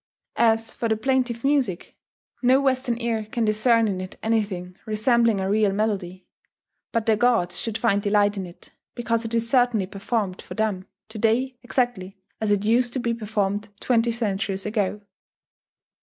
As for the plaintive music, no Western ear can discern in it anything resembling a real melody; but the gods should find delight in it, because it is certainly performed for them to day exactly as it used to be performed twenty centuries ago.